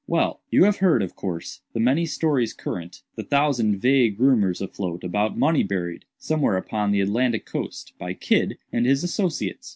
"Well; you have heard, of course, the many stories current—the thousand vague rumors afloat about money buried, somewhere upon the Atlantic coast, by Kidd and his associates.